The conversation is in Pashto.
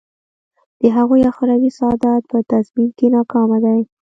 د هغوی اخروي سعادت په تضمین کې ناکامه دی.